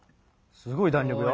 すごい弾力よ。